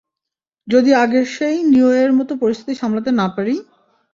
যদি আগের সেই নিও এর মতো পরিস্থিতি সামলাতে না পারি?